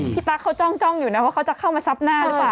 ตั๊กเขาจ้องอยู่นะว่าเขาจะเข้ามาซับหน้าหรือเปล่า